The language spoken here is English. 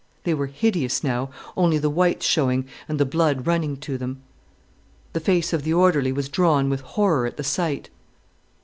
They were hideous now, only the whites showing, and the blood running to them. The face of the orderly was drawn with horror at the sight.